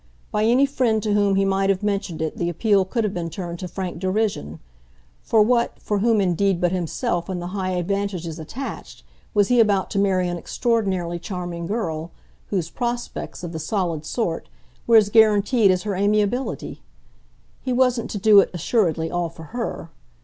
By any friend to whom he might have mentioned it the appeal could have been turned to frank derision. For what, for whom indeed but himself and the high advantages attached, was he about to marry an extraordinarily charming girl, whose "prospects," of the solid sort, were as guaranteed as her amiability? He wasn't to do it, assuredly, all for her.